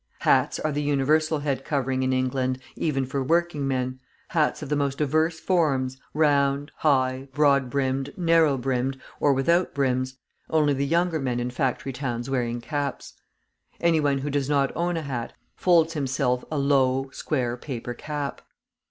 Hats are the universal head covering in England, even for working men, hats of the most diverse forms, round, high, broad brimmed, narrow brimmed, or without brims only the younger men in factory towns wearing caps. Any one who does not own a hat folds himself a low, square paper cap.